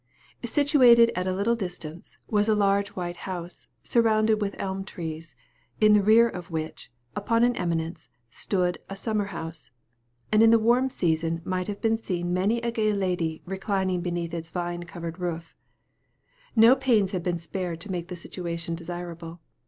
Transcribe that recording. Situated at a little distance, was a large white house, surrounded with elm trees, in the rear of which, upon an eminence, stood a summer house; and in the warm season might have been seen many a gay lady reclining beneath its vine covered roof. No pains had been spared to make the situation desirable.